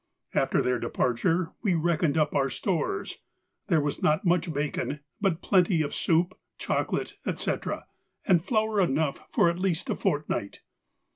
After their departure we reckoned up our stores; there was not much bacon, but plenty of soup, chocolate, etc., and flour enough for at least a fortnight.